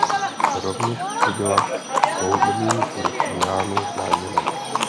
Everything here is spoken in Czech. Rovněž odsoudila „"zhoubný vliv Íránu"“ na Jemen.